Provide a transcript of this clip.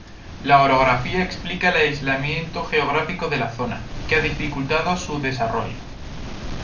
La orografía explica el aislamiento geográfico de la zona, que ha dificultado su desarrollo.